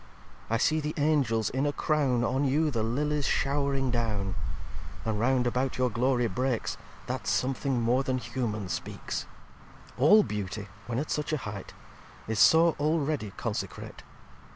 I see the Angels in a Crown On you the Lillies show'ring down: And round about your Glory breaks, That something more than humane speaks. xix "All Beauty, when at such a height, Is so already consecrate.